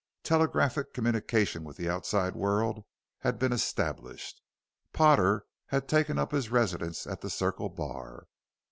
Telegraphic communication with the outside world had been established. Potter had taken up his residence at the Circle Bar.